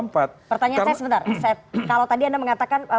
pertanyaan saya sebentar kalau tadi anda mengatakan